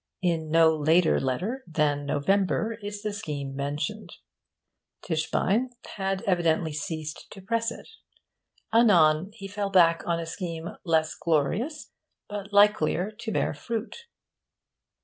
In no letter later than November is the scheme mentioned. Tischbein had evidently ceased to press it. Anon he fell back on a scheme less glorious but likelier to bear fruit.